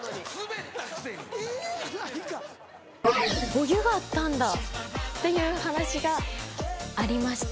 「お湯があったんだ」っていう話がありました。